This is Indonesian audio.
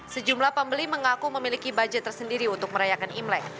sejumlah pembeli mengaku memiliki budget tersendiri untuk merayakan imlek